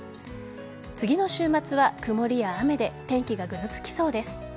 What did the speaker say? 次の週末は曇りや雨で天気がぐずつきそうです。